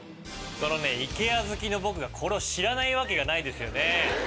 そのねイケア好きの僕がこれを知らないわけがないですよね。